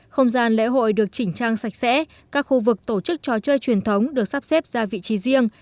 không gian lễ hội được chỉnh trang sạch sẽ các khu vực tổ chức trò chơi truyền thống được sắp xếp ra vị trí riêng